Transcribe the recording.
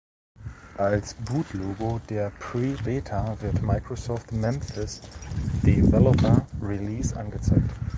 Als Boot-Logo der Pre-Beta wird „Microsoft Memphis Developer Release“ angezeigt.